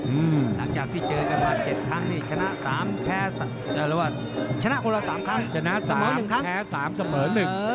หลังจากที่เจอกันมา๗ครั้งชนะ๓แพ้๓สำเหรอ๑